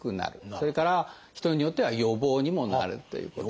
それから人によっては予防にもなるということですね。